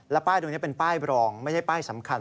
ป้ายตรงนี้เป็นป้ายรองไม่ได้ป้ายสำคัญ